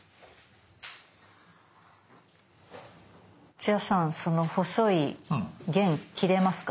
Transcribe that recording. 土屋さんその細い弦切れますか？